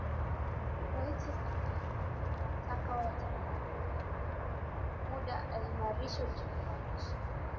Rais Samia amewataka Watanzania kumpa muda aimarishe uchumi wa nchi